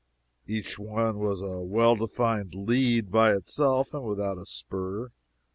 Each one was a well defined lead by itself, and without a spur.